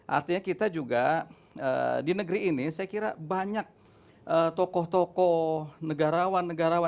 artinya kita juga di negeri ini saya kira banyak tokoh tokoh negarawan negarawan